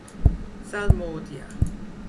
Salmòdia.